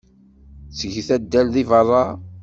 Ttget addal deg beṛṛa.